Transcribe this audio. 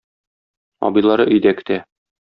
Абыйлары өйдә көтә.